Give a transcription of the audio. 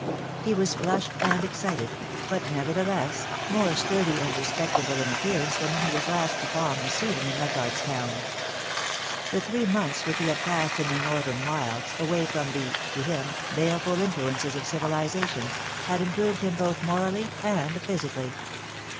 He was flushed and excited, but, never theless, more sturdy and respectable in appearance than MR. VALLANCY'S RETURN. 309 when he was last upon the scene in Leichardt's Town. The three months which he had passed in the northern wilds, away from the (to him) baleful influences of civilisation, had improved him both morally and physically.